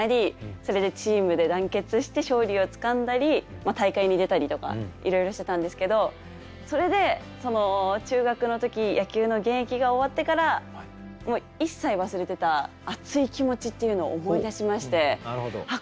それでチームで団結して勝利をつかんだり大会に出たりとかいろいろしてたんですけどそれで中学の時野球の現役が終わってから一切忘れてた熱い気持ちっていうのを思い出しましてあっ